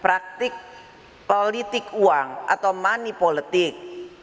praktik politik uang atau money politik